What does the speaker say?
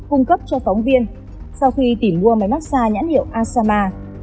cung cấp cho phóng viên sau khi tìm mua máy mát xa nhãn hiệu asama